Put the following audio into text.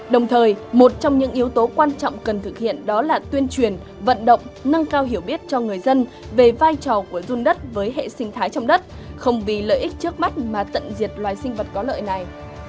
đồng thời một trong những yếu tố quan trọng cần thực hiện đó là tuyên truyền vận động nâng cao hiểu biết cho người dân về vai trò của run đất với hệ sinh thái trong đất không vì lợi ích trước mắt mà tận diệt loài sinh vật có lợi này